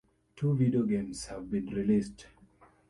Two video games have been released.